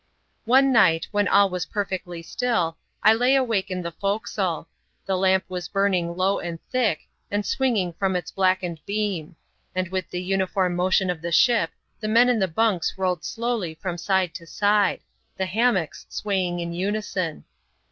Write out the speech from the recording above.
One night, when all was perfectly still, I lay awake in the forecastle; the lam^ was burning low and thick, and swinging from its blackened beam ; and with the uniform motion of the ship, the men in the bunks rolled slowly from side to side ; the hammocks swaying in unison.